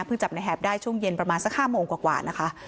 จับในแหบได้ช่วงเย็นประมาณสัก๕โมงกว่านะคะ